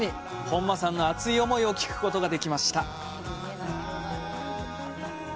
本間さんの熱い思いを聞くことができました。